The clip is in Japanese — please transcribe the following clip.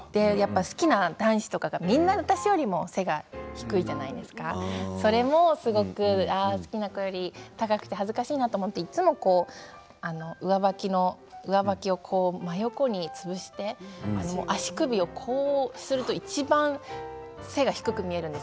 好きな男子とかみんな私よりも背が低いじゃないですか、それも好きな子より高くて恥ずかしいなと思って、いつも上履きを上履きを真横に潰して足首をこうするといちばん背が低く見えるんです。